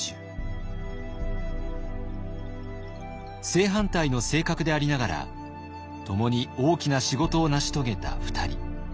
正反対の性格でありながら共に大きな仕事を成し遂げた２人。